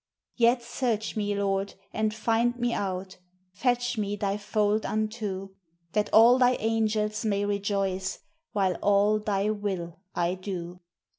Yet search me, Lord, and find me out! Fetch me Thy fold unto, That all Thy angels may rejoice, While all Thy will I do.